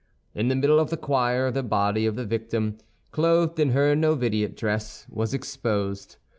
In the middle of the choir the body of the victim, clothed in her novitiate dress, was exposed.